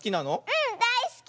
うんだいすき！